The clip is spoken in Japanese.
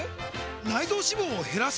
内臓脂肪を減らす！？